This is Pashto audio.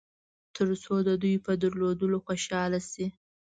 تر څو د دوی په درلودلو خوشاله شئ.